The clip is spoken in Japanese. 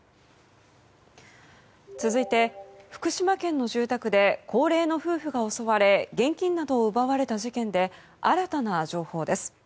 続いて、福島県の住宅で高齢の夫婦が襲われ現金などを奪われた事件で新たな情報です。